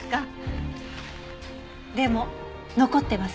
でも残ってません。